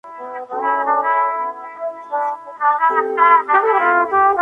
Así se le pone rostro a un personaje que no lo había tenido antes.